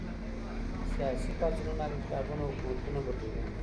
سياسي پاڅونونه او انقلابونه حکومتونه بدلوي.